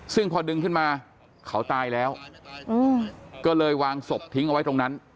ซึ่งพอดึงขึ้นมาเขาตายแล้วก็เลยวางศพทิ้งเอาไว้ตรงนั้น